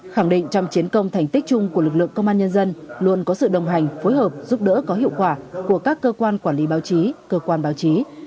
khẳng định trong chiến công thành tích chung của lực lượng công an nhân dân luôn có sự đồng hành phối hợp giúp đỡ có hiệu quả của các cơ quan quản lý báo chí cơ quan báo chí